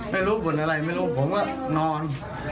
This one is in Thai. ไม่รู้บ่นอะไรไม่รู้ผมก็นอน